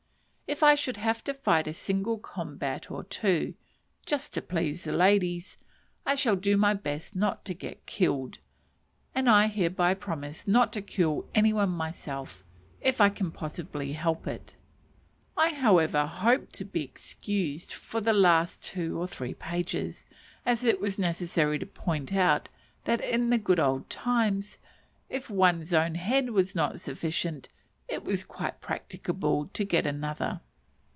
If I should have to fight a single combat or two, just to please the ladies, I shall do my best not to get killed; and I hereby promise not to kill any one myself, if I possibly can help it. I, however, hope to be excused for the last two or three pages, as it was necessary to point out that in the good old times, if one's own head was not sufficient, it was quite practicable to get another.